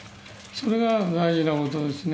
それが大事なことですね。